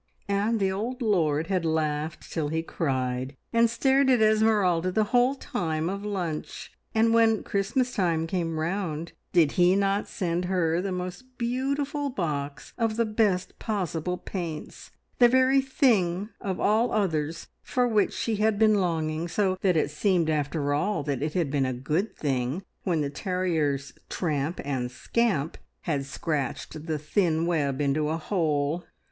And the old lord had laughed till he cried, and stared at Esmeralda the whole time of lunch, and when Christmas time came round, did he not send her the most beautiful box of the best possible paints, the very thing of all others for which she had been longing, so that it seemed after all that it had been a good thing when the terriers Tramp and Scamp had scratched the thin web into a hole!